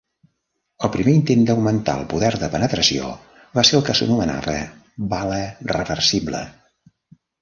El primer intent d'augmentar el poder de penetració va ser el que s'anomenava "bala reversible".